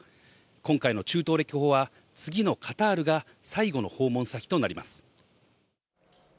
今回の中東歴訪は、次のカタールが最後の訪問先となります。